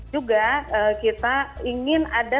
juga kita ingin ada